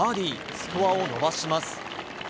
スコアを伸ばします。